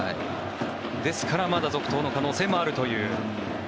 ですからまだ続投の可能性もあるという。